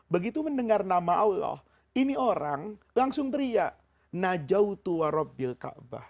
begitu mendengar nama allah ini orang langsung teriak